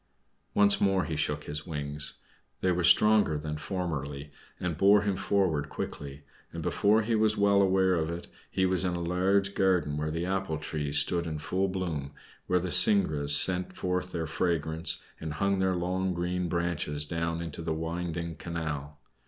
Once more he shook his wings. They were stronger than formerly and bore him forward quickly, and before he was well aware of it he was in a large garden where the apple trees stood in full bloom, where the syringas sent forth their fragrance and hung their long green branches down into the winding canal.